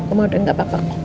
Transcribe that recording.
oma udah nggak papa